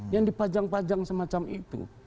yang dipajang pajang semacam itu